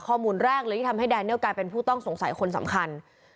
ข้อมูลแรกเลยที่ทำให้แดเนียลกลายเป็นผู้ต้องสงสัยคนสำคัญ